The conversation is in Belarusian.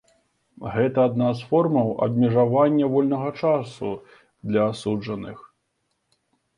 Гэта адна з формаў абмежавання вольнага часу для асуджаных.